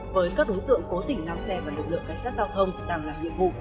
với các đối tượng cố tình lao xe vào lực lượng cảnh sát giao thông đang làm nhiệm vụ